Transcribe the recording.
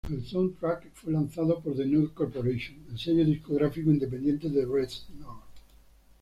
El soundtrack fue lanzado por The Null Corporation, el sello discográfico independiente de Reznor.